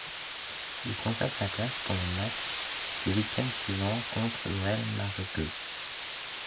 Il conserve sa place pour le match du week-end suivant, contre le Real Majorque.